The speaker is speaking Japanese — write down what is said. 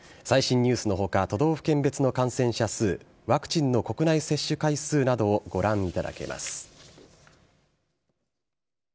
最新ニュースのほか、都道府県別の感染者数、ワクチンの国内接種回数などをご覧いただけます。